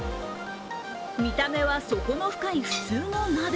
見た目は底の深い普通の鍋。